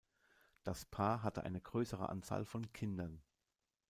Das Paar hatte eine größere Anzahl von Kindern.